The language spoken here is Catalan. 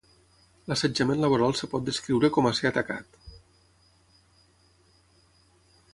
L'assetjament laboral es pot descriure com a ser atacat.